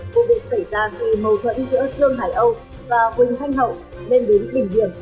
vụ bị xảy ra khi mâu thuẫn giữa sương hải âu và quỳnh thanh hậu lên đến bình điển